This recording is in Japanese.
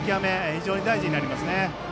非常に大事になりますね。